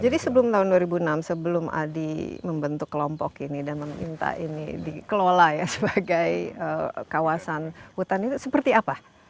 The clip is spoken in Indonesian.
jadi sebelum tahun dua ribu enam sebelum adi membentuk kelompok ini dan meminta ini dikelola ya sebagai kawasan hutan itu seperti apa